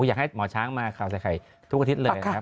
อยากให้หมอช้างมาเชอใครทุกอาทิตย์เลยนะครับ